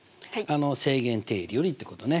正弦定理よりってことね。